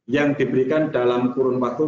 yang diberikan dalam kurun waktu